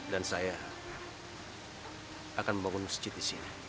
saya akan membangun masjid di sini